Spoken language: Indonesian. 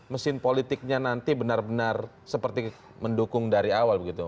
mesin politiknya nanti benar benar seperti mendukung dari awal begitu